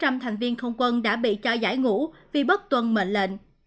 các thành viên không quân đã bị cho giải ngũ vì bất tuân mệnh lệnh